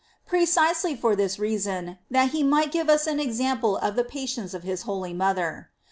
" precisely for thii reason, that he might give us an example of the patience of his holy mother.